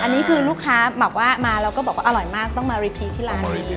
อันนี้คือลูกค้าแบบว่ามาแล้วก็บอกว่าอร่อยมากต้องมารีพีคที่ร้านนี้